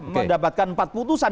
mendapatkan empat putusan